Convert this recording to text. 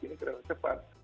ini keras cepat